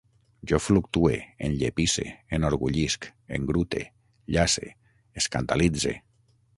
Jo fluctue, enllepisse, enorgullisc, engrute, llace, escandalitze